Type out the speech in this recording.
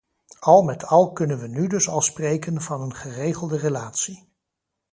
Al met al kunnen we nu dus al spreken van een geregelde relatie.